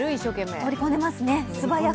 素早く取り込んでますね。